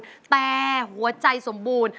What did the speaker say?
แต่หัวใจสมบูรณ์